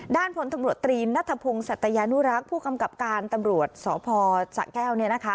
ด้านผลทำรวจตรีนณฑพงษ์สัตยานุรักษ์ผู้กำกับการตำรวจสพสะแก้ว